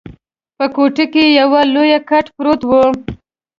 په کوټه کي یو لوی کټ پروت وو.